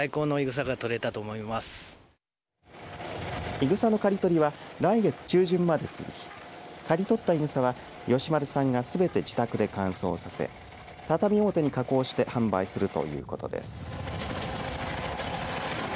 イグサの刈り取りは来月中旬まで続き刈り取ったイグサは吉丸さんがすべて自宅で乾燥させ畳表に加工して販売するということです。